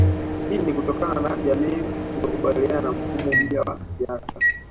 Hii ni kutokana na jamii kutokubaliana na mfumo mpya wa siasa